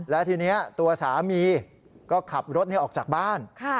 และทีนี้ตัวสามีก็ขับรถออกจากบ้าน